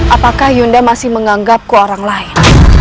apakah yunda masih menganggap ku orang lain